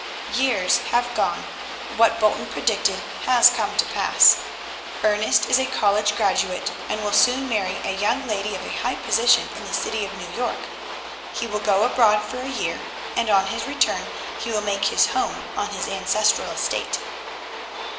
Years have gone, what Bolton predicted has come to pass. Ernest is a college graduate, and will soon marry a young lady of high position in the city of New York. He will go abroad for a year, and on his return will make his home on his ancestral estate.